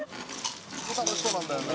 「ここ楽しそうなんだよな」